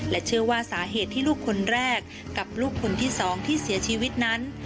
เชื่อว่าสาเหตุที่ลูกคนแรกกับลูกคนที่๒ที่เสียชีวิตนั้น